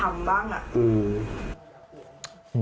เออมียาห่าบังกิล